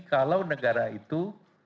kalau negara itu